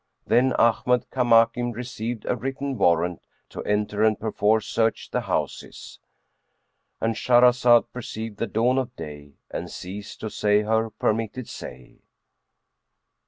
Then Ahmad Kamakim received a written warrant to enter and perforce search the houses;—And Shahrazad perceived the dawn of day and ceased to say her permitted say.